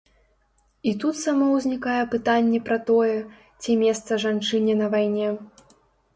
І тут само ўзнікае пытанне пра тое, ці месца жанчыне на вайне.